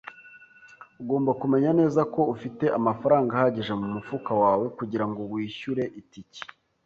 Ugomba kumenya neza ko ufite amafaranga ahagije mumufuka wawe kugirango wishyure itike.